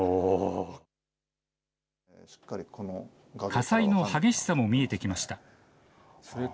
火災の激しさも見えてきました。